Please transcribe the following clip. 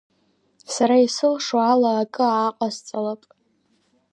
Сара исылшо ала акы ааҟасҵалап.